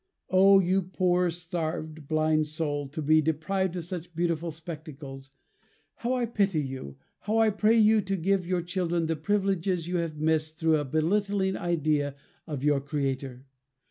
Oh, you poor starved, blind soul, to be deprived of such beautiful spectacles. How I pity you, and how I pray you to give your children the privileges you have missed through a belittling idea of your Creator.